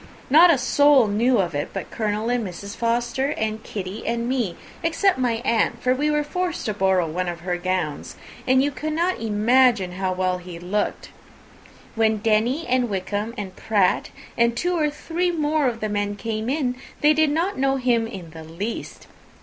Not a soul knew of it, but Colonel and Mrs. Forster, and Kitty and me, except my aunt, for we were forced to borrow one of her gowns; and you cannot imagine how well he looked! When Denny, and Wickham, and Pratt, and two or three more of the men came in, they did not know him in the least.